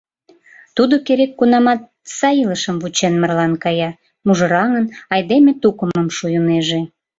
Тудо керек-кунамат сай илышым вучен марлан кая, мужыраҥын, айдеме тукымым шуйынеже.